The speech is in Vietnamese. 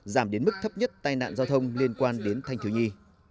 giảm đến mức thấp nhất tai nạn giao thông liên quan đến thanh thiếu nhi